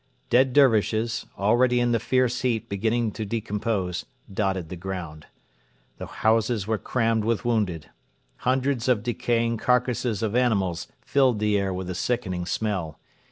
Dead Dervishes, already in the fierce heat beginning to decompose, dotted the ground. The houses were crammed with wounded. Hundreds of decaying carcasses of animals filled the air with a sickening smell.